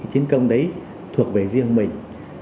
chính công đấy thuộc về riêng mình